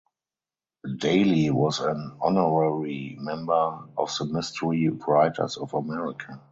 Daly was an honorary member of the Mystery Writers of America.